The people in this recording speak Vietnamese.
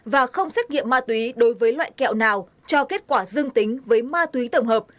và không xét nghiệm ma túy đối với loại kẹo nào cho kết quả dương tính với ma túy tổng hợp